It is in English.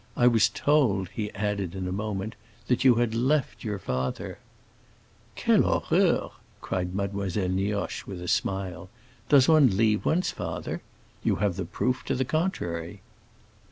I was told," he added in a moment "that you had left your father." "Quelle horreur!" cried Mademoiselle Nioche with a smile. "Does one leave one's father? You have the proof of the contrary."